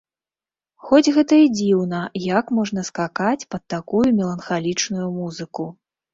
Хоць гэта і дзіўна, як можна скакаць пад такую меланхалічную музыку.